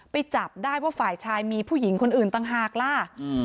จับได้ว่าฝ่ายชายมีผู้หญิงคนอื่นต่างหากล่ะ